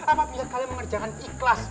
apabila kamu mengerjakan ikhlas